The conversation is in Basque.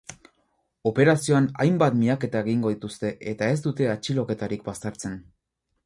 Operazioan hainbat miaketa egingo dituzte eta ez dute atxiloketarik baztertzen.